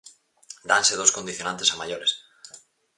Danse dous condicionantes a maiores.